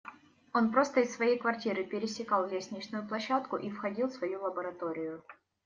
Он просто из своей квартиры пересекал лестничную площадку и входил в свою лабораторию.